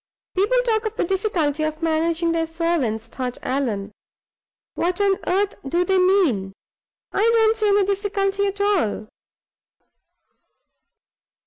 "People talk of the difficulty of managing their servants," thought Allan. "What on earth do they mean? I don't see any difficulty at all."